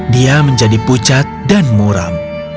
dia menjadi pucat dan muram